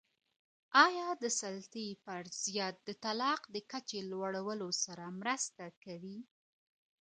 آیا د سلطې ظرفیت د طلاق د کچي لوړولو سره مرسته کوي؟